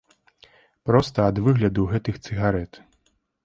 Проста ад выгляду гэтых цыгарэт.